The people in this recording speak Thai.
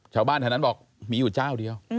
ชาวบ้านแถวนั้นบอกมีอยู่เจ้าเดียว